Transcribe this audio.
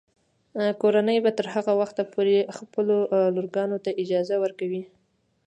کورنۍ به تر هغه وخته پورې خپلو لورګانو ته اجازه ورکوي.